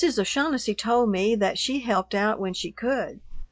O'Shaughnessy told me that she helped out when she could.